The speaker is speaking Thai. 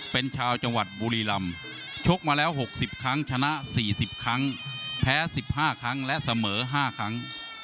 เป็นชาวจังหวัดบุรีรำชกมาแล้ว๖๐ครั้งชนะ๔๐ครั้งแพ้๑๕ครั้งและเสมอ๕ครั้ง